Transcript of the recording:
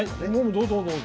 どうぞどうぞ。